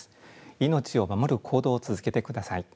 命を守る行動を続けてください。